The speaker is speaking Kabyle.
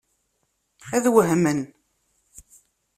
Ad wehmen.